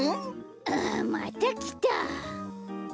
ああっまたきた！